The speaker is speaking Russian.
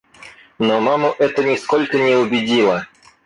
Но маму это нисколько не убедило.